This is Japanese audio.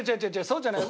そうじゃない。